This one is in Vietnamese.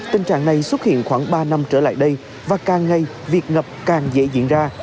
tình trạng này xuất hiện khoảng ba năm trở lại đây và càng ngay việc ngập càng dễ diễn ra